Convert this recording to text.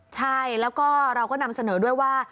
ใช่แล้วก็เราก็นำเสนอด้วยว่า